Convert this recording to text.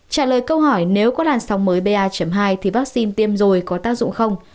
trả lời câu hỏi nếu có làn sóng mới ba hai thì vaccine tiêm rồi có tác dụng không